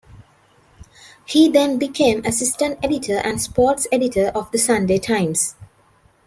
He then became assistant editor and sports editor of the "Sunday Times".